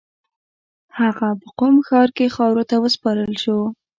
هغه په قم ښار کې خاورو ته وسپارل شو.